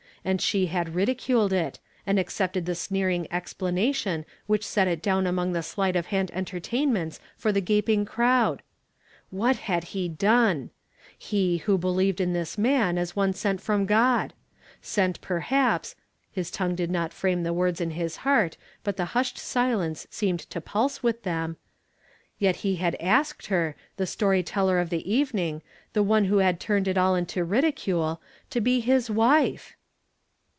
And she had ridiculed it, and accepted the sneering explanation which set it down among the sleight of hand entertainments for the gaping crowd ! What had he done ? He who believed in this man as one sent from God ? Sent perhaps — his tongue did not frame the words in his heart, but the hushed silence seemed to pulse with them — yet he had asked her, the story teller of the evening, the one who had turned it all into ridi cule, to be his wife